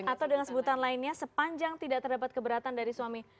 atau dengan sebutan lainnya sepanjang tidak terdapat keberatan dari suami